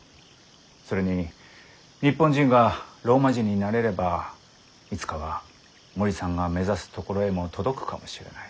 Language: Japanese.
それに日本人がローマ字に慣れればいつかは森さんが目指すところへも届くかもしれない。